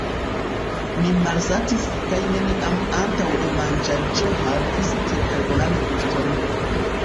Ni malsatis kaj neniam antaŭe manĝaĵo havis tiel bonan guston.